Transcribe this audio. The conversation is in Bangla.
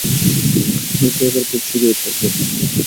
হয়তো এবার খুব সুখেই থাকব।